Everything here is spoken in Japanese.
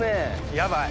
やばい。